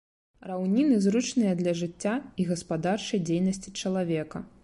Раўніны зручныя для жыцця і гаспадарчай дзейнасці чалавека.